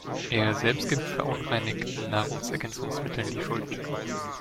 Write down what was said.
Er selbst gibt verunreinigten Nahrungsergänzungsmittel die Schuld.